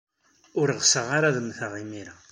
Ur ɣseɣ ara ad mmteɣ imir-a.